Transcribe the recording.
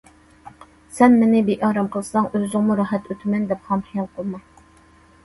سەن مېنى بىئارام قىلساڭ، ئۆزۈڭمۇ راھەت ئۆتىمەن دەپ خام خىيال قىلما!